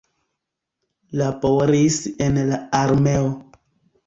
Laboris en la armeo.